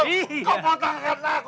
iya kan juga kau